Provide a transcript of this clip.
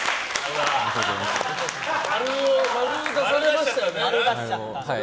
〇、出されましたよね？